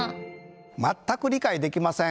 全く理解できません。